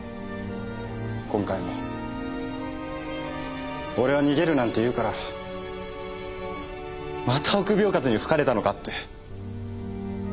今回も俺は逃げるなんて言うからまた臆病風に吹かれたのかって。